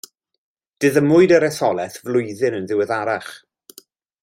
Diddymwyd yr etholaeth flwyddyn yn ddiweddarach.